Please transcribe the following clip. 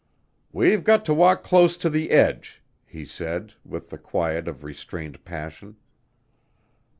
"We've got to walk close to the edge," he said with the quiet of restrained passion.